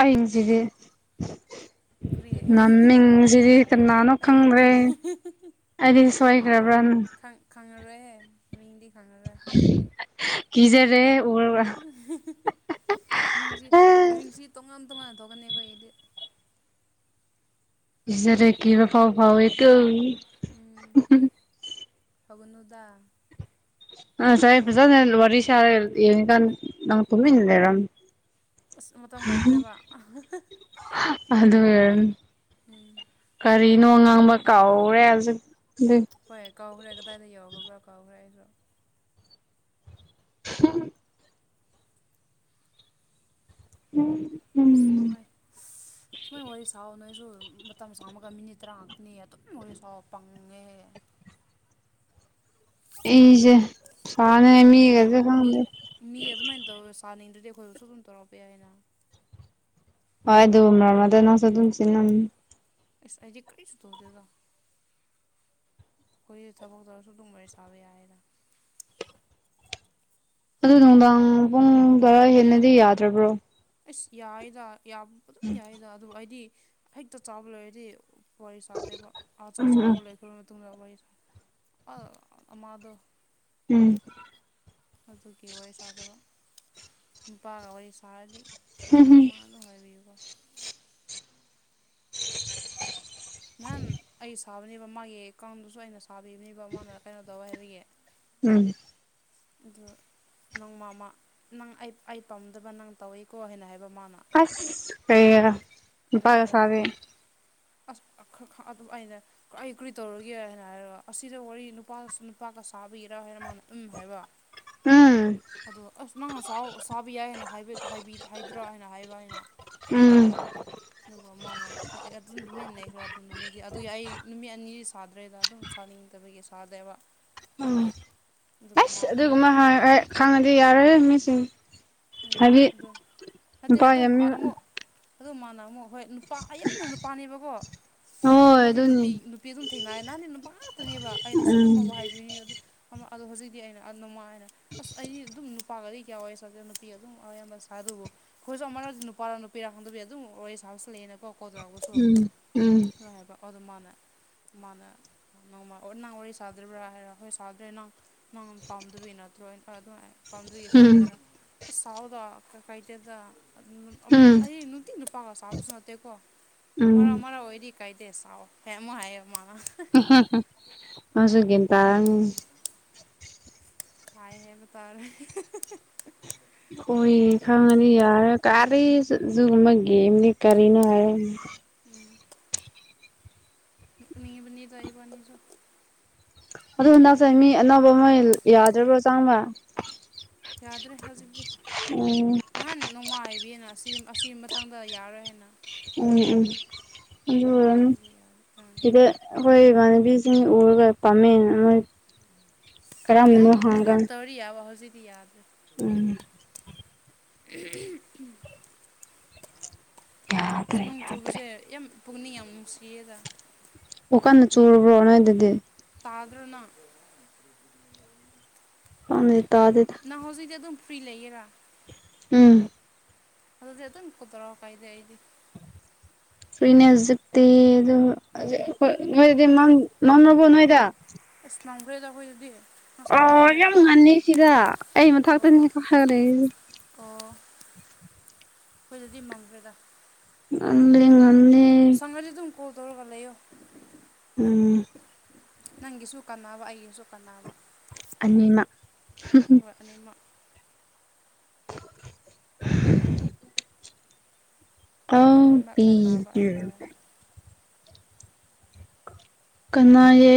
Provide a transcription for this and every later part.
ꯑꯩꯁꯤꯗꯤ ꯀ꯭ꯔꯤ ꯉꯝꯃꯤꯡꯁꯤꯗꯤ ꯀꯅꯥꯅꯣ ꯑꯩꯒꯤ ꯈꯪꯗ꯭ꯔꯦ ꯃꯤꯡ ꯑꯩꯗꯤ ꯁꯣꯏꯈ꯭ꯔꯕ꯭ꯔꯥꯅꯪ ꯈꯪ ꯈꯪꯉꯔꯣꯏꯍꯦ ꯃꯤꯡꯗꯤ ꯈꯪꯉꯔꯣꯏ ꯀꯖꯦ ꯔꯦ ꯑꯣ ꯃꯤꯡꯁꯤ ꯃꯤꯡꯁꯤ ꯇꯣꯉꯥꯟ ꯇꯣꯉꯥꯟꯅ ꯊꯣꯛꯀꯅꯤ ꯑꯩꯈꯣꯏꯒꯤꯗꯤ ꯖꯔ ꯀꯀꯤꯕ ꯐꯥꯎ ꯐꯥꯎ ꯑꯦꯛꯇꯣ ꯎꯝ ꯍꯧꯛꯅꯨꯗ ꯑ ꯆꯥꯏꯦ ꯐꯖ ꯋꯥꯔꯤꯔꯤꯁꯔꯦ ꯌꯦꯅꯤ ꯀꯥꯟ ꯅ ꯐꯃꯤꯅꯤ ꯂꯩꯔꯝ ꯑꯁ ꯃꯇꯝ ꯂꯩꯈ꯭ꯔꯦꯕ ꯑꯗꯨꯒꯤ ꯑꯣꯢꯔꯝꯅꯤ ꯎꯝ ꯀꯔꯤꯅꯣ ꯉꯥꯡꯕ ꯀꯥꯎꯔꯦ ꯍꯧꯖꯤꯛ ꯖꯤꯛ ꯍꯣꯏ ꯀꯥꯎꯈ꯭ꯔꯦ ꯀꯗꯥꯏꯗ ꯌꯥꯎꯒꯕ꯭ꯔꯣ ꯀꯥꯎꯈ꯭ꯔꯦ ꯑꯩꯁꯨ ꯎꯝ ꯎꯝ ꯎꯝ ꯅꯨꯡꯉꯥꯏ ꯁꯨꯃꯥꯏ ꯋꯥꯔꯤ ꯁꯥꯎ ꯅꯣꯏꯁꯨ ꯃꯇꯝ ꯁꯥꯡꯃꯒ ꯃꯤꯅꯤꯠ ꯇꯔꯥ ꯈꯥꯛꯇꯅꯤ ꯑꯗꯨꯝ ꯋꯥꯔꯤ ꯁꯥꯎ ꯄꯪꯉꯦ ꯏꯖꯦ ꯑꯗꯨ ꯃꯤ ꯃꯤ ꯑꯗꯨꯃꯥꯏꯅ ꯇꯧꯋꯦ ꯁꯥꯅꯤꯡꯗ꯭ꯔꯗꯤ ꯑꯩꯈꯣꯏꯗꯁꯨ ꯑꯗꯨꯝ ꯇꯧꯔꯛꯄ ꯌꯥꯏꯅ ꯍꯣꯏ ꯑꯗꯨ ꯃꯔꯛ ꯃꯔꯛꯇ ꯅꯪꯁꯨ ꯑꯗꯨꯝ ꯆꯦꯟꯂꯝꯅꯤ ꯖꯤ ꯑꯩꯗꯤ ꯀꯔꯤꯁꯨ ꯇꯧꯗꯦꯗ ꯑꯩꯈꯣꯏ ꯊꯕꯛ ꯇꯧꯔꯁꯨ ꯑꯗꯨꯝ ꯋꯥꯔꯤ ꯁꯥꯕ ꯌꯥꯏꯌꯦꯗ ꯑꯗꯨ ꯅꯨꯡꯗꯥꯡ ꯄꯨꯡ ꯇꯔꯥ ꯍꯦꯟꯅꯗꯤ ꯌꯥꯗ꯭ꯔꯕ꯭ꯔꯣ ꯑꯁ ꯌꯥꯏꯗ ꯑꯗꯨꯝ ꯌꯥꯏꯗ ꯑꯗꯨ ꯑꯩꯗꯤ ꯍꯦꯛꯇ ꯆꯥꯕ ꯂꯩꯣꯏꯔꯗꯤ ꯋꯥꯔꯤ ꯁꯥꯗꯦꯕ ꯑꯥ ꯆꯥꯛ ꯆꯥꯕ ꯂꯣꯏꯈꯔꯕ ꯃꯇꯨꯡꯗ ꯋꯥꯔꯤ ꯁꯥꯕ ꯑꯥ ꯃꯗꯣ ꯎꯝ ꯑꯗꯨꯒꯤ ꯋꯥꯔꯤ ꯁꯥꯗꯕ ꯅꯨꯄꯥꯒ ꯋꯥꯔꯤ ꯁꯥꯔꯗꯤ ꯅꯨꯡꯉꯥꯢꯔꯤꯕꯣ ꯅꯍꯥꯟ ꯑꯩ ꯁꯥꯕꯅꯦꯕ ꯃꯥꯒꯤ ꯀꯥꯡꯗꯨꯁꯨ ꯑꯩꯅ ꯁꯥꯕꯤꯕꯅꯦꯕ ꯃꯥꯅ ꯀꯩꯅꯣ ꯇꯧꯋꯦ ꯍꯥꯏꯕꯒꯤ ꯎꯝ ꯑꯗꯨ ꯅꯪ ꯃꯥꯃꯥ ꯅꯪ ꯑꯩ ꯑꯩ ꯄꯥꯝꯗꯕ ꯅꯪ ꯇꯧꯋꯦꯀꯣ ꯍꯥꯏꯅ ꯍꯥꯏꯕ ꯃꯅꯥ ꯑꯁ ꯀꯔꯤꯒꯔ ꯅꯨꯄꯥꯒ ꯁꯗꯦ ꯑ ꯑꯗꯨꯝ ꯑꯩꯅ ꯑꯩ ꯀꯔꯤ ꯇꯧꯔꯒꯦ ꯑꯩꯅ ꯍꯥꯏꯕ ꯑꯁ ꯑꯁꯤꯗ ꯋꯥꯔꯤ ꯅꯨꯄꯥ ꯅꯨꯄꯥꯒ ꯁꯥꯕꯤꯒꯔꯥ ꯍꯥꯏꯅ ꯃꯥꯅ ꯎꯝ ꯍꯥꯏꯕ ꯎꯝ ꯑꯗꯣ ꯑꯁ ꯅꯪ ꯑꯁꯥꯎ ꯑꯁꯥꯕ ꯌꯥꯏ ꯍꯥꯏꯅ ꯍꯥꯏꯕꯤ ꯍꯥꯏꯕꯤ ꯍꯥꯏꯗ꯭ꯔꯥ ꯍꯥꯏꯅ ꯍꯥꯏꯕ ꯑꯩꯅ ꯎꯝ ꯑꯗꯨꯒ ꯃꯥꯅ ꯑꯩ ꯑꯗꯨꯝ ꯇꯃꯤꯟꯅ ꯂꯩꯈ꯭ꯔꯦ ꯑꯗꯨ ꯅꯨꯃꯤꯗꯤ ꯑꯗꯨꯒꯤ ꯑꯩ ꯅꯨꯃꯤꯠ ꯑꯅꯤ ꯁꯥꯗ꯭ꯔꯦꯗ ꯑꯗꯨꯝ ꯁꯥꯅꯤꯡꯗꯕꯒꯤ ꯁꯥꯗꯦꯕ ꯑꯗꯨꯒ ꯃꯥ ꯑꯁ ꯑꯗꯨꯒꯨꯝꯕ ꯅꯨꯃꯤꯠ ꯍꯥꯏꯔ ꯈꯥꯡꯉꯗꯤ ꯌꯥꯔꯦ ꯃꯤꯁꯤꯡ ꯎꯝ ꯍꯥꯎꯗꯤ ꯑꯗꯨ ꯅꯠꯇꯦ ꯅꯨꯄꯥ ꯑꯗꯨꯝ ꯌꯥꯝꯃꯤ ꯑꯃꯨꯛ ꯑꯗꯨ ꯃꯥꯅ ꯑꯃꯨꯛ ꯍꯣꯏ ꯅꯨꯄꯥ ꯑꯌꯥꯝꯅ ꯅꯨꯄꯥꯅꯦꯕꯀꯣ ꯍꯣꯏ ꯍꯟꯗꯛꯇꯤ ꯅꯨꯄꯤ ꯑꯗꯨꯅꯤ ꯅꯨꯄꯤ ꯑꯗꯨꯝ ꯊꯦꯡꯅꯑ ꯅꯍꯥꯟꯅꯦ ꯅꯨꯄꯥ ꯉꯥꯛꯇꯅꯦꯕ ꯑꯩꯅꯁꯨ ꯑꯗꯨꯝ ꯎꯝ ꯃꯕꯨ ꯍꯥꯏꯕꯤꯔꯤ ꯑꯗꯨ ꯑꯃ ꯑꯗꯣ ꯍꯧꯖꯤꯛꯇꯤ ꯑꯩꯅ ꯑꯗꯨꯃꯥꯏꯅ ꯑꯁ ꯑꯩ ꯑꯗꯨꯝ ꯅꯨꯄꯥ ꯀꯌꯥ ꯋꯥꯔꯤ ꯁꯥꯗꯦ ꯅꯨꯄꯤ ꯑꯗꯨꯝ ꯑꯌꯥꯝꯕ ꯁꯥꯏꯗꯨꯕꯨ ꯑꯈꯣꯏꯁꯨ ꯑꯃꯔ ꯑꯗꯨ ꯅꯨꯄꯥꯥꯔ ꯅꯨꯄꯤꯔ ꯈꯪꯗꯕꯤ ꯑꯗꯨꯝ ꯋꯥꯔꯤ ꯁꯥꯕꯁꯨ ꯂꯩꯌꯦꯅ ꯀꯣ ꯀꯗ꯭ꯔꯒꯁꯨ ꯎꯝ ꯎꯝ ꯂꯕ ꯑꯗꯨ ꯃꯥꯅ ꯃꯥꯅ ꯅꯪꯃ ꯅꯪ ꯋꯥꯔꯤ ꯁꯥꯗ꯭ꯔꯤꯕ꯭ꯔꯥ ꯍꯥꯏꯔꯥ ꯍꯣꯏ ꯁꯥꯗ꯭ꯔꯦ ꯅꯪ ꯅꯪ ꯄꯥꯝꯗꯕꯤ ꯅꯠꯇ꯭ꯔꯣꯅ ꯑꯗꯨꯃꯥꯏ ꯄꯥꯝꯗꯕꯤ ꯎꯝ [unintelligible] ꯁꯥꯎꯗ ꯀꯩꯊꯗ ꯎꯝ ꯑꯩ ꯅꯨꯡꯇꯤ ꯅꯨꯄꯥꯒ ꯁꯥꯥꯕꯁꯨ ꯅꯠꯇꯦꯀꯣ ꯎꯝ ꯃꯅꯥ ꯃꯅꯥ ꯑꯣꯏꯔꯗꯤ ꯀꯥꯏꯗꯦ ꯁꯥꯥꯎ ꯐꯦꯃ ꯍꯥꯏ ꯃꯥꯅ ꯃꯥꯁꯨ ꯒꯌꯥꯟ ꯇꯥꯔꯝꯅꯤ ꯈꯥꯢ ꯍꯥꯢꯕ ꯇꯥꯔꯦ ꯑꯣꯏ ꯈꯪꯉꯅꯤ ꯌꯥꯔꯦ ꯀꯥꯔꯤꯁꯨ ꯖꯨꯒꯨꯝꯕ ꯒꯦꯝꯅꯤ ꯀꯔꯤꯅꯣ ꯍꯥꯏꯔ ꯎꯝ ꯄꯅꯤ ꯄꯅꯤꯔ ꯇ [unintelligible] [unintelligible] ꯏ ꯢꯕꯅꯤꯁꯨ ꯑꯗꯣ ꯍꯟꯗꯛꯁꯦ ꯃꯤ ꯑꯅꯧꯕ ꯃꯣꯢ ꯌꯥꯗ꯭ꯔꯤꯕ꯭ꯔꯣ ꯆꯥꯡꯕ ꯌꯥꯗ꯭ꯔꯦ ꯍꯧꯖꯤꯛꯇꯤ ꯎꯝ ꯅꯍꯥꯟ ꯅꯨꯡꯉꯥꯏꯕꯤꯅ ꯑꯁꯤ ꯑꯁꯤ ꯃꯊꯪꯗ ꯌꯥꯔꯣꯏ ꯍꯥꯏꯅ ꯎꯝ ꯎꯝ ꯑꯗꯨꯒꯤ ꯑꯗꯨ ꯌꯥꯔꯦ ꯎꯝ ꯁꯤꯗ ꯑꯩꯈꯣꯏ ꯏꯃꯥꯟꯅꯕꯤꯁꯤꯡ ꯎꯔꯒ ꯄꯥꯝꯃꯦꯅ ꯃꯣꯏ ꯀꯔꯝꯕꯅꯣ ꯅꯍꯥꯟ ꯍꯪꯒꯥꯝ ꯅꯍꯥꯟ ꯇꯧꯔꯤ ꯌꯥꯎꯕ ꯍꯧꯖꯤꯗꯤ ꯌꯥꯎꯗꯦ ꯎꯝ [unintelligible] ꯌꯥꯗ꯭ꯔꯦ ꯅꯣꯡ ꯌꯥꯗ꯭ꯔꯦ ꯆꯨꯕꯁꯦ ꯌꯥꯝ ꯄꯨꯛꯅꯤꯡ ꯌꯥꯝ ꯅꯨꯡꯁꯤꯌꯦꯗ ꯑꯣꯀꯥꯟꯅ ꯆꯨꯔꯕ꯭ꯔꯣꯅ ꯑꯗꯨꯗꯤ ꯇꯥꯗꯨꯅ ꯇꯥꯗ ꯅꯪꯥꯟ ꯍꯧꯖꯤꯛꯛꯇꯤ ꯑꯗꯨꯝ ꯐ꯭ꯔꯤ ꯂꯩꯌꯦꯦꯔꯥ ꯎꯝ ꯑꯗꯨꯜꯗꯤꯦ ꯑꯗꯨ ꯀꯗ꯭ꯔꯣ ꯀꯥꯏꯗꯦ ꯍꯥꯏꯗꯦ ꯇꯅꯦꯁꯛꯇꯤ ꯑꯗꯨ ꯅꯣꯏꯗꯤ ꯃꯥꯡꯕꯣ ꯅꯣꯏꯗ [unintelligible] ꯑꯦ ꯂꯥꯎꯈ꯭ꯔꯦꯗꯈꯣꯏ ꯑꯗꯨꯗꯤ [unintelligible] ꯑꯣ ꯌꯥꯝ ꯉꯟꯅꯤ ꯁꯤꯗ ꯑꯩ ꯑꯣ ꯃꯊꯛꯇꯅꯦ ꯀꯈꯠꯂꯒ ꯂꯩꯔꯤꯁꯦ ꯑꯣ ꯑꯩꯈꯣꯏꯗꯗꯤ ꯃꯝꯈ꯭ꯔꯦꯗ ꯉꯟꯂꯦ ꯉꯟꯂꯦ ꯁꯪꯉꯗꯤ ꯗꯨꯝ ꯀꯣꯜ ꯇꯧꯔꯒ ꯂꯩꯌꯣ ꯎꯝ ꯅꯪꯒꯤꯁꯨ ꯀꯥꯟꯅꯕ ꯑꯩꯒꯤꯁꯨ ꯀꯥꯟꯅꯕ ꯑꯅꯤꯅ ꯍꯣꯏ ꯑꯅꯤꯃꯛ [unintelligible] ꯑꯧ ꯃ ꯀꯅꯥꯕꯦ ꯄꯤꯗ꯭ꯔꯦ ꯇꯥꯔꯦ ꯀꯅꯥꯌꯦ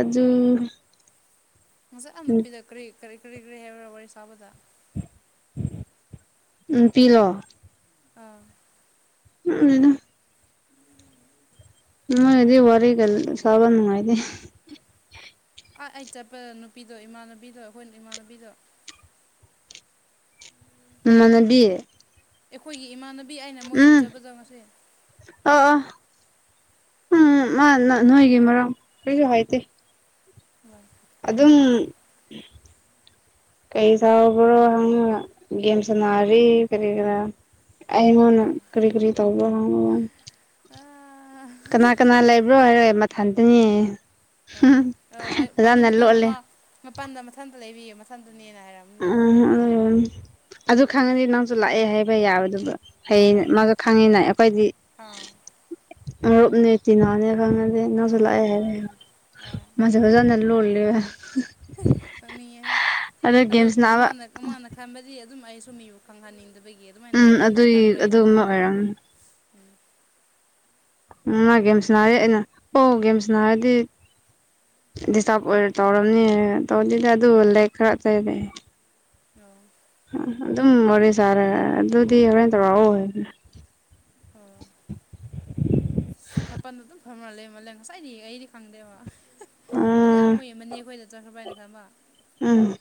ꯑꯗꯨ ꯉꯪꯁꯛ ꯑꯃꯅ ꯄꯤꯔꯛ ꯀꯔꯤ ꯀꯔꯤ ꯀꯔꯤ ꯀꯔꯤ ꯍꯥꯏꯕꯔꯥ ꯋꯥꯔꯤ ꯁꯥꯕꯗ ꯎ ꯄꯤꯂꯣ ꯑꯥ ꯎꯝ ꯎ [unintelligible] ꯃꯣꯏꯒꯗꯤ ꯋꯥꯔꯤꯒ ꯁꯥꯕ ꯅꯨꯡꯉꯥꯏꯇꯦ ꯑ ꯑꯩ ꯆꯠꯄꯗ ꯅꯨꯄꯤꯗꯣ ꯏꯃꯥꯟꯅꯕꯤꯗꯣ ꯑꯩꯈꯣꯏꯅ ꯏꯃꯥꯟꯅꯕꯤꯗꯣ ꯃꯃꯥꯟꯅꯕꯤ ꯑꯩꯈꯣꯏꯒꯤ ꯏꯃꯥꯟꯅꯕꯤ ꯑꯩꯅ ꯃꯣꯏ ꯌꯨꯝ ꯆꯠꯄꯗꯣ ꯉꯁꯤ ꯑ ꯑ ꯎꯝ ꯃꯥꯅ ꯅꯣꯏꯒꯤ ꯃꯔꯝ ꯀꯔꯤꯁꯨ ꯍꯥꯏꯗꯦ [unintelligible] ꯑꯗꯨꯝ ꯀꯩꯗꯧꯕ꯭ꯔꯣ ꯍꯪꯉꯥꯒ ꯒꯦꯝ ꯁꯥꯟꯅꯔꯤ ꯀꯔꯤꯒꯤꯔꯥ ꯑꯩꯉꯣꯟꯅ ꯀꯔꯤ ꯀꯔꯤ ꯇꯧꯕ ꯍꯪꯉꯣ ꯑꯣ ꯀꯅꯥ ꯀꯅꯥ ꯂꯩꯕ꯭ꯔꯣ ꯍꯥꯏꯔꯦ ꯃꯊꯟꯇꯅꯤꯌꯦ ꯑꯗꯨ ꯃꯇꯝ ꯃꯥ ꯃꯄꯥꯜꯗ ꯃꯊꯟꯇ ꯂꯩꯔꯤꯌꯦ ꯃꯊꯟꯇꯅꯦꯅ ꯍꯥꯏꯔꯝꯅꯤꯅ ꯑꯩꯈꯣꯏꯗꯤ ꯎꯝ ꯑꯗꯨ ꯈꯪꯉꯗꯤ ꯅꯪꯁꯨ ꯂꯥꯛꯑꯦ ꯍꯥꯏꯕ ꯌꯥꯕꯗꯨꯕ ꯐꯩ ꯍꯣꯏ ꯃꯥꯁꯨ ꯈꯪꯉꯤꯅ ꯑꯩꯈꯣꯏꯗꯤ ꯑꯥ ꯃꯔꯨꯞꯅꯤ ꯆꯤꯟꯅꯥꯅꯦ ꯈꯪꯅꯗꯦ ꯅꯪꯁꯨ ꯑꯥ ꯂꯥꯛꯑꯦ ꯍꯣꯏ ꯍꯥꯏꯔꯦ ꯍꯣꯏ ꯃꯁ ꯐꯖꯅ ꯂꯣꯜꯂꯦ ꯀꯞꯅꯤꯡꯉꯦ ꯑꯗꯣ ꯒꯦꯝ ꯁꯥꯟꯅꯕ ꯃꯥꯅ ꯈꯟꯕꯗꯤ ꯑꯗꯨꯝ ꯑꯩꯁꯨ ꯃꯤꯕꯨ ꯈꯪꯍꯟꯅꯤꯡꯗꯕꯒꯤ ꯑꯗꯨꯃꯥꯏꯅ ꯎꯝ ꯇꯧꯋꯦ ꯍꯥꯏꯅ ꯑꯗꯨꯒꯤ ꯈꯟꯕꯒꯤꯔ ꯑꯗꯨꯒꯨꯝꯕ ꯈꯪꯗꯗ ꯑꯣꯏꯔꯝꯅꯤ ꯎꯝ ꯃꯥ ꯒꯦꯝ ꯁꯟꯅꯔꯤ ꯑꯩꯅ ꯑꯣ ꯒꯦꯝ ꯁꯟꯅꯔꯗꯤ ꯗꯤꯁꯇꯥꯔꯕ ꯑꯣꯏꯅ ꯇꯧꯔꯝꯅꯤ ꯍꯥꯏꯅ ꯇꯧꯗꯦꯗ ꯑꯗꯨꯗꯤ ꯑꯗꯨ ꯂꯥꯏꯔꯤꯛ ꯈꯔ ꯎꯝ [unintelligible] ꯑꯗꯨꯝ ꯋꯥꯔꯤ ꯁꯥꯔꯦ ꯑꯗꯨꯗꯤ ꯍꯣꯔꯦꯟ ꯇꯧꯔꯛꯑꯣ ꯍꯥꯏꯕꯅꯦ ꯎꯝ ꯃꯄꯥꯜꯗ ꯑꯗꯨꯝ ꯐꯝꯃꯜꯂꯦ ꯉꯁꯥꯏꯗꯤ ꯑꯩꯗꯤ ꯈꯪꯗꯦꯕ ꯍꯥꯏꯗꯤ ꯑꯥ ꯎꯝ ꯃꯣꯏ ꯃꯅꯦ ꯈꯣꯏꯗ ꯆꯠꯈ꯭ꯔꯕ ꯍꯥꯏꯅ ꯈꯟꯕ ꯎꯝ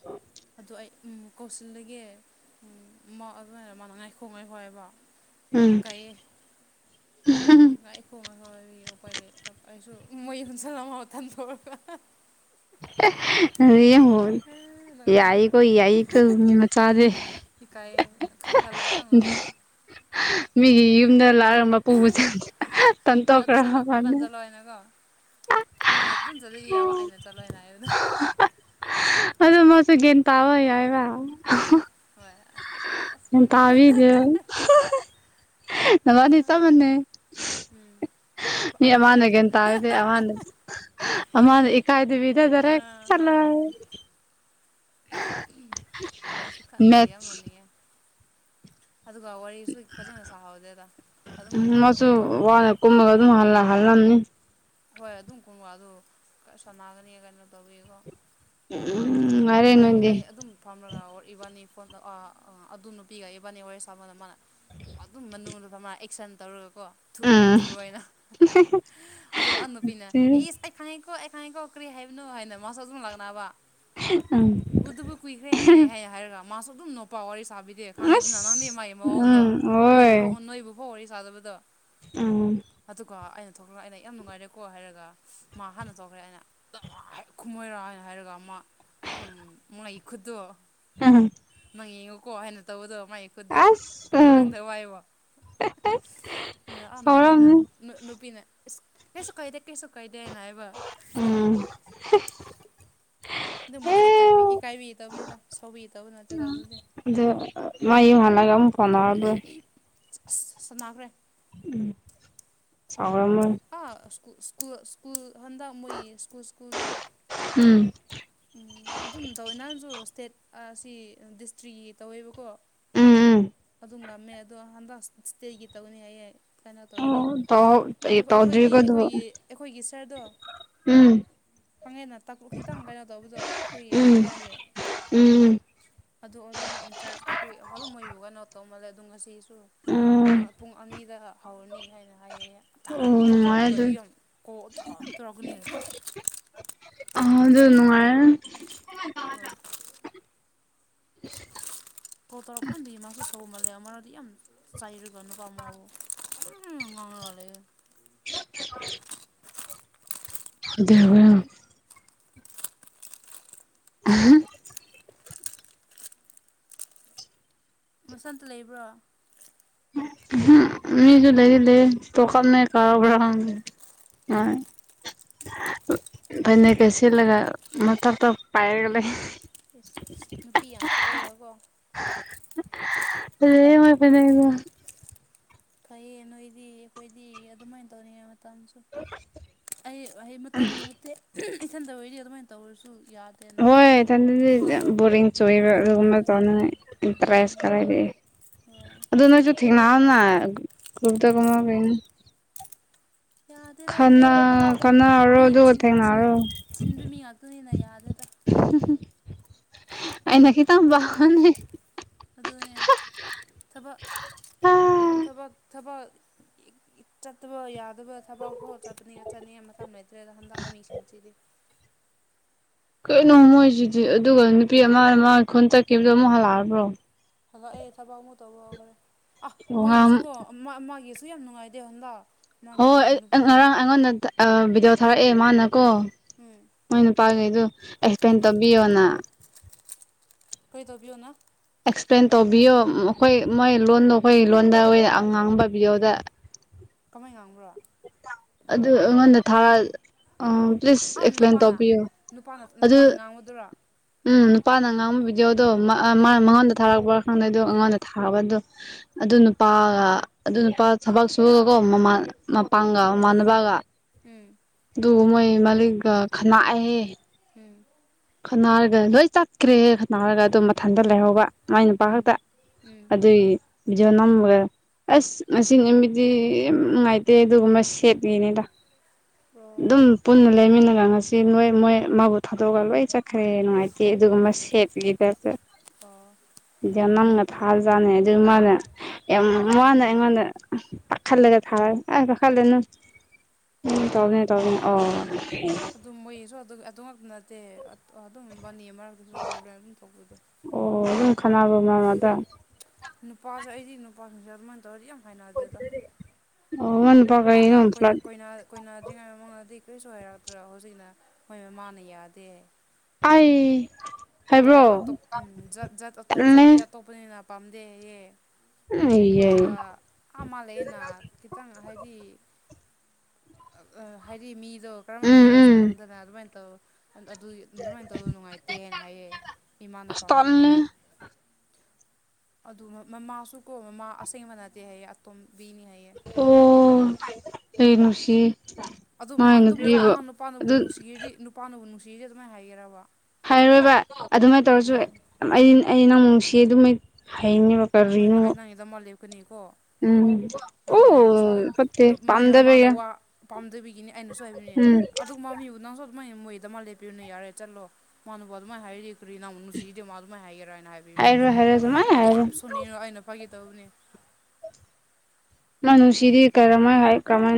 ꯑꯗꯣ ꯑꯩ ꯎꯝ ꯀꯧꯁꯤꯜꯂꯒꯦ ꯎꯝ ꯃꯥ ꯑꯣꯏꯕꯅ ꯃꯥ ꯉꯥꯏꯈꯣ ꯉꯥꯏꯈꯣ ꯍꯥꯏꯕ ꯎꯝ ꯀ ꯩꯌꯦ [unintelligible] ꯍꯜ [unintelligible] ꯅꯣꯛꯅꯤꯡꯉꯦ ꯌꯥꯏꯌꯦꯀꯣ ꯌꯥꯏꯌꯦꯀꯣ ꯃꯤ ꯃꯆꯥꯗꯤ ꯏꯀꯥꯏꯌꯦ ꯈꯜ ꯈꯜꯂꯒ ꯌꯥꯝ ꯅꯣꯛꯅꯤꯡꯉꯦ ꯃꯤꯒꯤ ꯌꯨꯝꯗ ꯂꯥꯛꯑꯒ ꯃꯄꯨꯨꯒ ꯁꯗꯅ ꯇꯟꯊꯣꯛꯈ꯭ꯔ ꯃꯥꯜꯂꯦ ꯀꯩꯅꯀꫭ ꯃꯥꯅ ꯑꯗꯨꯝ ꯆꯠꯂꯤꯗꯤ ꯌꯥꯕ ꯑꯩꯅ ꯆꯠꯂꯣꯏꯅ ꯍꯥꯏꯕꯗꯣ ꯑꯗꯨ ꯃꯁꯨ ꯒꯦꯟ ꯇꯥꯕ ꯌꯥꯏꯕ ꯎꯝ ꯍꯣꯏ ꯑꯁ ꯒ꯭ꯌꯥꯟ ꯈꯪꯗꯦꯗ ꯇꯥꯕꯤꯗꯦ [unintelligible] ꯅꯕꯥꯅꯤ ꯆꯞ ꯃꯥꯟꯅꯩ ꯎꯝ ꯃꯤ ꯑꯩꯁꯨ ꯑꯃꯥꯅ ꯌꯥꯝ ꯒꯦꯟ ꯇꯥꯔꯗꯤ ꯑꯍꯥꯟ ꯑꯃꯥꯗꯤ ꯏꯀꯥꯏꯗꯕꯤꯗ ꯗꯥꯏꯔꯦꯛ ꯑꯥ ꯆꯠꯂꯣ ꯍꯣꯏ [unintelligible] ꯈꯔꯁꯨ ꯈꯨꯠꯅ ꯈꯔ ꯃꯦꯠꯁ ꯌꯥꯎꯅꯅꯤꯌꯦ ꯑꯗꯨꯒ ꯋꯥꯔꯤꯁꯨ ꯐꯖꯅ ꯁꯥꯍꯧꯗꯦꯗ ꯑꯗꯨꯝ ꯃꯥꯁꯨ ꯊꯣꯛꯄꯒ ꯋꯥꯅ ꯀꯨꯝꯃꯒ ꯑꯗꯨꯝ ꯍꯥꯜꯂꯥ ꯍꯜꯂꯝꯅꯤ ꯍꯣꯏ ꯑꯗꯨꯝ ꯀꯨꯝꯒ ꯑꯗꯨ ꯁꯥꯟꯅꯒꯅꯤ ꯀꯩꯅꯣ ꯇꯧꯕꯤꯀꯣ ꯎꯝ ꯅꯨꯡꯉꯥꯏꯔꯦ ꯅꯣꯏꯗꯤ ꯐꯝꯔꯥꯒ ꯏꯕꯥꯅꯤ ꯐꯣꯟ ꯑꯥ ꯑꯗꯨ ꯅꯨꯄꯤꯒ ꯏꯕꯥꯅꯤ ꯋꯥꯔꯤ ꯁꯥꯕꯗꯥ ꯃꯥꯅ ꯑꯗꯨꯝ ꯃꯅꯨꯡꯗꯨꯗ ꯃꯥꯅ ꯑꯦꯛꯁꯟ ꯇꯧꯔꯒꯀꯣ ꯊꯨꯔꫭ ꯎꯝ ꯊꯨꯔꫭ‌ꯍꯥꯏꯅ ꯑꯗꯨꯒ ꯑ ꯅꯨꯄꯤꯅ ꯏꯁ ꯑꯩ ꯈꯪꯉꯦꯀꯣ ꯑꯩ ꯈꯪꯉꯦꯀꯣ ꯀꯔꯤ ꯍꯥꯏꯕꯅꯣ ꯍꯥꯏꯅ ꯃꯥꯁꯨ ꯑꯗꯨꯝ ꯂꯛꯅꯕ ꯎꯝ ꯎꯗꯕ ꯀꯨꯏꯈ꯭ꯔꯦꯅꯦ ꯍꯥꯏ ꯍꯥꯏꯔꯒ ꯃꯥꯁꯨ ꯑꯗꯨꯝ ꯅꯨꯄꯥ ꯋꯥꯔꯤ ꯁꯥꯕꯤ ꯑꯦ ꯈꯪꯉꯦꯗꯅ ꯅꯪꯗꯤ ꯑꯁ ꯃꯥꯒꯤ ꯃꯑꯣꯡꯗꯣ ꯎꯝ ꯍꯣꯏ ꯅꯣꯏꯕꯨꯕꫭꯛ ꯅꯣꯏ ꯕꯨꯕꫭꯛ ꯋꯥꯔꯤ ꯁꯥꯗꯕꯗꯣ ꯎꯝ ꯑꯗꯨꯒ ꯑꯩꯅ ꯊꯣꯛꯂꯑꯦꯅꯦ ꯌꯥꯝ ꯅꯨꯡꯉꯥꯏꯔꯦꯀꯣ ꯍꯥꯏꯔꯒ ꯃꯥ ꯍꯥꯟꯅ ꯊꯣꯛꯈ꯭ꯔꯦ ꯑꯩꯅ [unintelligible] ꯈꯨꯝꯃꯣꯏꯔ ꯍꯥꯏꯅ ꯍꯥꯏꯔꯒ ꯃꯥ ꯑ ꯑꯦꯝ ꯃꯥꯏ ꯈꯨꯨꯠꯗꫭ ꯍꯝ ꯍꯝ ꯃꯥꯏ ꯌꯦꯡꯉꯨꯀꯣ ꯍꯥꯏꯅ ꯇꯧꯕꯗꫭ ꯃꯥꯏ ꯑꯁ ꯎꯝ ꯑꯦꯛ [unintelligible] ꯋꯥꯏꯑꯣꯑ ꯑꯗꯨ ꯑ ꯅꯨꯄꯤꯅ ꯁꯥꯎꯔꯝꯅꯤ ꯅꯨ ꯅꯨꯄꯤꯅ ꯏꯁ ꯀꯩꯁꯨ ꯀꯥꯏꯗꯦ ꯀꯩꯁꯨ ꯀꯥꯏꯗꯦ ꯅ ꯍꯥꯏꯕ ꯎꯝ ꯑꯗꯨꯃꯛꯁꯨ ꯏꯀꯥꯏꯕꯤ ꯏꯀꯥꯏꯕꯤꯗꯕꯅꯤꯗ ꯁꯥꯎꯕꯥꯒꯤ‌ ꯇꯧꯕ ꯅꯠꯇꯦꯗ ꯑꯗꯨꯗꯤ ꯑꯗꫭ ꯃꯥ ꯌꯨꯝ ꯍꯂꯒ ꯑꯃꯨꯛ ꯐꯥꯎꯅꯔꯕ꯭ꯔꯣ [unintelligible] ꯑꯁ ꯁꯥꯟꯅꯈ꯭ꯔꯦ ꯎꯝ ꯆꯥꯎꯔꯝꯃꫭꯏ ꯑ ꯁ꯭ꯀꯨꯜ ꯁ꯭ꯀꯨꯜ ꯁ꯭ꯀꯨꯜ ꯍꯟꯗꯛ ꯃꯣꯏꯒꯤ ꯁ꯭ꯀꯨꯜ ꯁ꯭ꯀꯨꯜꯗꯣ ꯎꯝ ꯎꯝ ꯑꯗꯨꯝ ꯇꯧꯋꯦ ꯅꯍꯥꯟꯁꯨ ꯏꯁꯇꯦꯠ ꯑꯁꯤ ꯗꯤꯁꯇ꯭ꯔꯤꯒꯤ ꯇꯧꯋꯦꯕꯀꯣ ꯎꯝ ꯎꯝ ꯑꯗꯨꯝ ꯉꯝꯃꯦ ꯑꯗꯣ ꯍꯟꯗꯛ ꯏꯁꯇꯦꯒꯤ ꯇꯧꯒꯅꯤ ꯍꯥꯏꯌꯦ ꯀꯟꯅ ꯇꯧꯔꯗꯤ [unintelligible] ꯑꯩꯈꯣꯏ ꯑꯩꯈꯣꯏꯒꯤ ꯇꯧꯗ꯭ꯔꯤꯀꯣ ꯑꯗꯨꯕꯨ ꯑꯩꯈꯣꯏꯒꯤ ꯑꯩꯈꯣꯏꯒꯤ ꯁꯥꯔꯗꯣ ꯎꯝ ꯈꯪꯉꯦꯅ ꯇꯞ ꯈꯤꯇꯪ ꯕꯦꯔꯥ ꯇꯧꯕꯗꯣ ꯑꯩꯈꯣꯏꯒꯤ ꯎꯝ ꯑꯣꯂꯤꯕꯤꯌꯥꯒꯤ ꯎꯝ ꯑꯗꯨ ꯑꯣꯖꯥꯅ ꯏꯟꯆꯥꯔꯁ ꯑꯩꯈꯣꯏ ꯑꯗꯨꯝ ꯃꯣꯏꯕꯨ ꯀꯩꯅꫭ ꯇꯧꯃꯜꯂꯦ ꯑꯗꯨ ꯉꯁꯤ ꯄꯨꯡ ꯑꯣ ꯄꯨꯡ ꯑꯅꯤꯗ ꯍꯧꯔꯅꯤ ꯍꯥꯏꯅ ꯍꯥꯏꯌꯦꯌꯦ ꯑꯣ ꯇꯅ ꯀꯣꯜ ꯅꯨꯡꯉꯥꯏ ꯇꯧꯔꯛꯄꯗꯣ ꯑꯗꯨ ꯑꯩ ꯌꯥꯝ ꯀꯣꯜ ꯑꯗꯨꯝ ꯇꯧꯔꯛꯀꯅꯤ ꯑ ꯑꯗꯨ ꯅꯨꯡꯉꯥꯏꯌꯦ [unintelligible] [unintelligible] ꯆꯩꯔꯒꯥ [unintelligible] ꯑꯗꯨꯝ ꯒꯥꯎꯔ ꯂꯩꯔꯦꯗ [unintelligible] [unintelligible] ꯑ ꯍ ꯃꯨꯁꯟꯇ ꯂꯩꯕ꯭ꯔꯣ ꯃꯤꯁꯨ ꯂꯩ ꯂꯩꯦ ꯇ ꯀꯝꯅ ꯀꯥ ꯎꯕꯔꯥꯒꯦ ꯑꯣ ꯄꯅ ꯀꯩꯁꯦ ꯂꯒ ꯃ ꯇ ꯄꯥꯏꯒꯦ ꯅꯨꯄꯤ ꯌꯥꯝ ꯊꯣꯛꯎꯔꯨꯔꯀꯣ ꯑꯗꯨꯦꯣꯏꯕꯅꯦꯗ ꯐꯩꯌꯦꯦ ꯅꯣꯏꯗꯤ ꯑꯩꯈꯣꯏꯗꯤ ꯑꯗꯨꯃꯥꯏꯅ ꯇꯧꯅꯤꯡꯉ ꯑꯩ ꯃꯇꯝꯒꯤ ꯅꯠꯇꯦ ꯏꯊꯟꯗ ꯍꯩꯗꯤ ꯑꯗꯨꯃꯥꯏꯅ ꯇꯧꯔꯁꯨ ꯌꯥꯗꯦ ꯄꯅ ꯍꯣꯏ ꯏꯊꯟꯗꯗꯤ ꯕꯣꯔꯤꯡ ꯆꯣꯏꯕ ꯑꯗꯨꯒꯨꯝꯕ ꯑꯗꯨꯒꯤꯅꯤ ꯇꯧꯅꯅ ꯏꯟꯇꯔꯦꯁ ꯈꯔ ꯍꯥꯏꯔꯛꯑꯦ ꯎ ꯑꯗꯨꯅꯁꯨ [unintelligible] ꯌꯥꯗꯦꯗ ꯈꯟꯅꯥ ꯑꯗꯨꯁꯨ ꯈꯟꯅꯔꯣ ꯃꯤ ꯑꯗꯨꯒ ꯆꯤꯟ ꯆꯤꯟ ꯊꯦꯡꯅꯔꯣ ꯆꯤꯟꯕ ꯃꯤ ꯉꯥꯛꯇꯅꯤꯅ ꯌꯥꯗꯦꯗ [unintelligible] ꯑꯩꯅ ꯈꯤꯇꯪ [unintelligible] ꯑꯗꯨꯅꯦ ꯊꯕꯛ ꯊꯕꯛ ꯊꯕꯛ ꯏꯛ ꯏꯠ ꯆꯠꯇꯕ ꯌꯥꯗꯕ ꯊꯕꯛ ꯐꯥꯎ ꯆꯠꯄꯅꯤ ꯆꯠꯅꯤꯒꯥꯏ ꯃꯇꯝ ꯂꯩꯇ꯭ꯔꯦꯗ ꯍꯟꯗꯛ ꯃꯤꯁꯤꯡꯁꯤꯗꯤ ꯀꯩꯅꯣ ꯃꯣꯏꯁꯤꯗꯤ ꯑꯗꯨꯒ ꯅꯨꯄꯤ ꯑꯃꯥ ꯃꯥꯅ ꯈꯨꯟ ꯆꯠꯈꯤꯕꯗꯣ ꯑꯃꯨꯛ ꯍꯜꯂꯛꯑꯕ꯭ꯔꯣ ꯍꯂꯛꯑꯦ ꯊꯕꯛ ꯑꯃꯨꯛ ꯇꯧꯔꯨꯔꯕꯅꯦ ꯑ ꯃꯣꯏꯒꯤꯁꯨ ꯉꯥꯡ ꯀꯣ ꯃ ꯃꯥꯒꯤꯁꯨ ꯌꯥꯝ ꯅꯨꯡꯉꯥꯏꯇꯦ ꯍꯟꯗꯛ ꯍꯣꯏ ꯃꯥꯒꯤ ꯑꯩ ꯑꯩ ꯉꯔꯥꯡ ꯑꯩꯉꯣꯟꯗ ꯑ ꯚꯤꯗꯤꯑꯣ ꯊꯥꯔꯛꯑꯦ ꯃꯥꯅ ꯀꯣ ꯎꯝ ꯃꯣꯏ ꯅꯨꯄꯥꯒꯩꯗꯣ ꯑꯦꯛꯁꯄ꯭ꯂꯦꯟ ꯇꯧꯕꯤꯌꯣꯅ ꯀꯔꯤ ꯇꯧꯕꯤꯌꯨꯅ ꯑꯦꯛꯁꯄ꯭ꯂꯦꯟ ꯇꯧꯕꯤꯌꯣ ꯑꯩꯈꯣꯏ ꯃꯣꯏ ꯂꯣꯟꯗꯣ ꯑꯩꯈꯣꯏ ꯂꯣꯟꯗ ꯑ ꯉꯥꯡ ꯄꯕꯤꯌꯣꯗ ꯀꯃꯥꯏ ꯉꯥꯡꯕ꯭ꯔꯣ ꯑꯗꯨ ꯑꯩꯉꯣꯟꯗ ꯊꯥ ꯑ ꯄ꯭ꯂꯤꯁ ꯑꯥ ꯑꯦꯛꯁꯄ꯭ꯂꯦꯟ ꯅꯨꯄꯥꯅ ꯇꯧꯕꯤꯌꯣ ꯅꯨꯄꯥꯅ ꯑꯗꯨ ꯅꯨꯄꯥꯅ ꯉꯥꯡꯕꯗꯨꯔꯥ ꯎꯝ ꯅꯨꯄꯥꯅ ꯉꯥꯡꯕꯕꯤꯗꯣ ꯑꯗꯣ ꯀꯔꯤ ꯃꯉꯣꯟꯗ ꯊꯥꯔꯛꯄꯥ ꯈꯪꯗꯩꯗꯣ ꯑꯩꯉꯣꯟꯗ ꯊꯥꯛꯕꯗꯣ ꯑꯗꯨ ꯅꯨꯄꯥꯒ ꯑꯗꯨ ꯅꯨꯄꯥ ꯊꯕꯛ ꯁꯨꯔꯒꯀꯣ ꯃꯃꯥ ꯃꯄꯥꯡꯒ ꯃꯅꯕꯒ ꯎꯝ ꯑꯗꯨꯒ ꯃꯣꯏ ꯃꯂꯤꯛꯒ ꯈꯅꯥꯛꯑꯍꯦ ꯎꯝ ꯈꯅꯥꯔꯒ ꯂꯣꯏ ꯆꯠꯈ꯭ꯔꯦ ꯈꯠꯅꯥꯔꯒ ꯑꯗꯨꯝ ꯃꯊꯟꯗ ꯎꯝ ꯂꯩꯍꯧꯕ ꯃꯥꯏ ꯅꯨꯄꯥ ꯎꯝ ꯈꯛꯇ ꯎꯝ ꯑꯗꯨꯒꯤ ꯚꯤꯗꯤꯑꯣ ꯅꯝꯃꯒ ꯑꯁ ꯉꯁꯤ ꯃꯤꯗꯤ ꯌꯥꯝ ꯅꯨꯡꯉꯥꯏꯇꯦ ꯑꯗꯨꯒꯨꯝꯕ ꯁꯦꯠꯂꯤꯅꯤꯗ ꯑꯗꯨꯝ ꯑꯣ ꯄꯨꯟꯅ ꯂꯩꯃꯤꯟꯅꯔ ꯉꯁꯤ ꯅꯣꯏ ꯃꯣꯏ ꯃꯥꯕꯨ ꯊꯥꯗꯣꯛꯑꯒ ꯂꯣꯏ ꯆꯠꯈ꯭ꯔꯦ ꯅꯨꯡꯉꯥꯏꯇꯦ ꯑꯗꯨꯒꯨꯝꯕ ꯁꯦꯠꯀꯤꯗ ꯑꯣ ꯏꯗꯤ ꯅꯝꯒ ꯊꯥꯔꯖꯥꯠꯅꯤ ꯑꯗꯨꯒꯤ ꯃꯥꯜꯅ ꯃꯅꯉꯣꯟ ꯄꯥꯈꯥ ꯂꯩꯀꯦ ꯊꯥ ꯑꯦ ꯄꯥꯈꯥ ꯂꯩꯅꯣ ꯎꯝ ꯇꯕꯅꯦ ꯇꯕꯅꯦ ꯑꯣ ꯑꯗꯨꯝ ꯃꯣꯏꯁꯨ ꯑꯗꯨ ꯑꯗꯨ ꯉꯛꯇ ꯅꯠꯇꯦ ꯑꯗꯨꯝꯕꯅꯤ ꯃꯔꯛꯇꯁꯨ ꯄ꯭ꯔꯣꯕ꯭ꯂꯦꯝ ꯑꯗꯨꯝ ꯊꯣꯛꯧꯕꯤꯗ ꯑꯣ ꯎꯨꯡ ꯈꯥꯟꯕ ꯃꯃꯗ ꯅꯨꯄꯥꯁꯦ ꯑꯩꯗꯤ ꯅꯨꯄꯥꯁꯤꯡꯁꯦ ꯑꯗꯨꯃꯥꯏꯅ ꯇꯧꯔꯗꯤ ꯌꯥꯝ ꯐꯥꯏꯅꯦ ꯑꯗꯨꯗ ꯑꯣ ꯅꯪ ꯅꯨꯄꯥ ꯑꯩꯈꯣꯏꯅ ꯀꯔꯤꯅꯣ ꯐ꯭ꯂꯠ ꯑꯩꯈꯣꯏꯅ ꯑꯩꯈꯣꯏꯅ ꯀꯨꯣꯏꯅꯗ꯭ꯔꯤꯉꯩ ꯃꯃꯥꯡꯗꯗꯤ ꯀꯔꯤꯁꯨ ꯍꯥꯏꯔꯛꯇ꯭ꯔꯣ ꯍꯧꯖꯤꯛꯅ ꯃꯣꯏ ꯃꯃꯅ ꯌꯥꯗꯦ ꯑꯩ ꯍꯥꯏꯕ꯭ꯔꯣ ꯇ꯭ꯔꯥꯏꯞ ꯑꯇꯞꯖꯠ ꯇꯜꯂꯦ ꯖꯥꯇꯤ ꯑꯇꯣꯞ ꯀꯄꯅꯤꯅ ꯄꯥꯝꯗꯦꯌꯦ ꯑꯩꯌꯦ ꯑꯗꯨꯒ ꯑ ꯃꯥꯜꯂ ꯑꯅ ꯈꯤꯇꯪ ꯍꯥꯏꯗꯤ ꯍꯥꯏꯗꯤ ꯃꯤꯗꯣ ꯀꯔꯝꯕ ꯎꯝ ꯃꯤꯔꯁꯨ ꯎꯝ ꯈꯪꯗꯅ ꯑꯗꯨꯃꯥꯏꯅ ꯇꯧ ꯑꯗꯨꯒꯤ ꯑꯗꯨꯃꯥꯏꯅ ꯇꯧꯗꯣ ꯅꯨꯡꯉꯥꯏꯇꯦꯅ ꯍꯥꯏꯌꯦ ꯏꯃꯥꯅ ꯑꯁ ꯄꯥꯝꯗꯦ ꯇꯜꯂꯦ ꯍꯦꯅ ꯑꯗꯨ ꯃꯃꯥꯁꯨ ꯀꯣ ꯃꯃꯥ ꯑꯁꯦꯡꯕ ꯅꯠꯇꯦ ꯍꯥꯏꯌꯦ ꯑꯇꯣꯝꯕꯤꯅꯤ ꯍꯥꯏꯌꯦ ꯑꯣ ꯑꯩꯅꯨꯡꯁꯤ ꯑꯗꯨ ꯃꯥ ꯑꯗꯨꯃꯨꯔ ꯃꯥ ꯅꯨꯄꯥꯅꯕꯨ ꯅꯨꯡꯁꯤꯔꯤꯗꯤ ꯅꯨꯄꯥꯅꯕꯨ ꯅꯨꯡꯁꯤꯔꯤꯗꯤ ꯑꯗꯨꯃꯥꯏꯅ ꯍꯥꯏꯒꯦꯔꯕ ꯍꯥꯏꯔꯔꯣꯏꯕ ꯑꯗꯨꯃꯥꯏꯅ ꯇꯧꯔꯁꯨ ꯑꯗꯨꯅꯦ ꯑꯩ ꯑꯩ ꯅꯪꯃꯨ ꯅꯨꯡꯁꯤ ꯑꯗꯨꯃꯥꯏ ꯍꯩꯅꯦꯕ ꯍꯣꯏ ꯅꯪ ꯀꯔꯤꯅꯣ ꯑꯩ ꯅꯪꯒꯤꯗꯃꯛ ꯂꯦꯞꯀꯅꯤꯀꯣ ꯎꯝ ꯑꯔꯨꯝꯅ ꯍꯥꯏꯕꯁꯨꯔꯨ ꯑꯣ ꯐꯠꯇꯦ ꯅꯨꯞ ꯃꯣꯏ ꯃꯃꯥꯅ ꯄꯥꯝꯗꯕꯒꯤ ꯋꯥ ꯄꯥꯝꯗꯕꯤꯒꯤꯅꯤ ꯑꯩꯅꯁꯨ ꯍꯥꯏꯕꯅꯦ ꯎꯝ ꯑꯗꯨꯒꯨꯝꯕ ꯃꯤꯕꯨ ꯅꯪꯁꯨ ꯑꯗꯨꯃꯥꯏꯅ ꯃꯣꯏꯗꯃꯛ ꯂꯦꯄꯤꯔꯨꯅꯨ ꯌꯥꯔꯦ ꯆꯠꯂꯣ ꯃꯥꯅꯕꯨ ꯑꯗꯨꯃꯥꯏꯅ ꯍꯥꯏꯔꯤ ꯐꯨꯔꯤ ꯅꯅꯥꯃꯨꯛ ꯅꯨꯡꯁꯤꯗꯦ ꯃꯥ ꯑꯗꯨꯃꯥꯏꯅ ꯍꯥꯏꯒꯦꯔꯥ ꯍꯥꯏꯅ ꯍꯥꯏꯕꯤꯕꯅꯦ ꯑꯩꯁꯨ ꯍꯥꯏꯔꯣꯏ ꯍꯥꯏꯔꯣꯏ ꯁꯨꯃꯥꯏ ꯑꯩꯗꯤ ꯍꯥꯏꯔꯦ ꯌꯥꯝ ꯁꯨꯅꯤꯡꯔꯣ ꯑꯩꯅ ꯐꯈꯤꯗꯕꯅꯤ ꯃꯥꯥꯅꯨꯁꯤꯗꯤ ꯀꯔꯝꯥꯏ ꯍꯥꯏ ꯀꯃꯥꯏꯅ